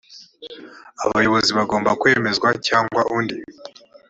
abayobozi bagomba kwemezwa cyangwa undi